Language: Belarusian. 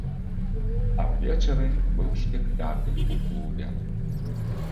А ўвечары быў спектакль у клубе.